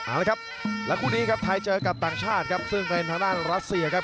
เอาละครับและคู่นี้ครับไทยเจอกับต่างชาติครับซึ่งเป็นทางด้านรัสเซียครับ